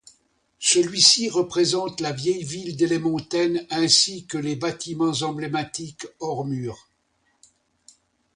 Celui-ci représente la vieille ville delémontaine ainsi que les bâtiments emblématiques hors mur.